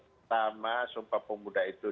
pertama sumpah pemuda itu